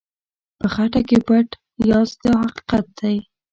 په خټه کې پټ یاست دا حقیقت دی.